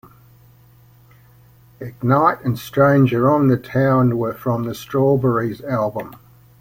"Ignite" and "Stranger on the Town" were from the "Strawberries" album.